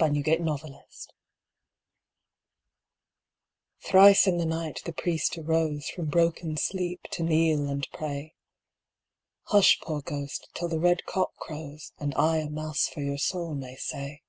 THE PRIEST'S BROTHER Thrice in the night the priest arose From broken sleep to kneel and pray. "Hush, poor ghost, till the red cock crows, And I a Mass for your soul may say."